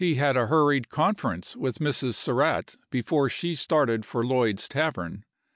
had a hnrried conference with Mrs. Surratt before APi.u,i865. she started for Lloyd's tavern.